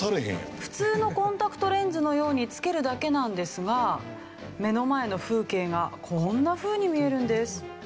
普通のコンタクトレンズのようにつけるだけなんですが目の前の風景がこんなふうに見えるんです。